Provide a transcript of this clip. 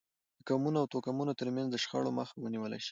د قومونو او توکمونو ترمنځ د شخړو مخه ونیول شي.